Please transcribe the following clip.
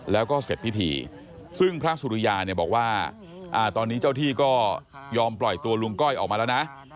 แล้วก็เสร็จพิธีซึ่งพระสุริยาเนี่ยบอกว่าตอนนี้เจ้าที่ก็ยอมปล่อยตัวลุงก้อยออกมาแล้วนะ